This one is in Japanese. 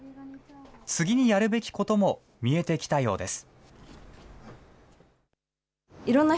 次にやるべきことも見えてきたようです。